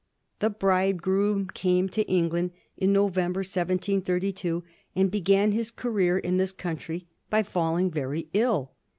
The bridegroom came to Eng land in November, 1732, and began his career in this country by falling very ill.